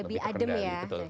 lebih adem ya